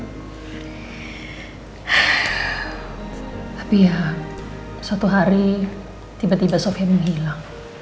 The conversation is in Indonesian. tapi ya suatu hari tiba tiba sofia menghilang